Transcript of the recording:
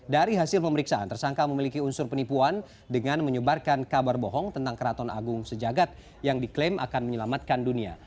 dari hasil pemeriksaan tersangka memiliki unsur penipuan dengan menyebarkan kabar bohong tentang keraton agung sejagat yang diklaim akan menyelamatkan dunia